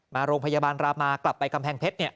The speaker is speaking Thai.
มาโรงพยาบาลรามากลับไปกำแพงเพชร